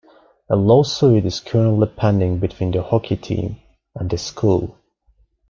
A lawsuit is currently pending between the hockey team and the school.